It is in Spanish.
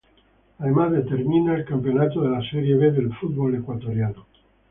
Además, determinará al campeón de la Serie B del fútbol ecuatoriano.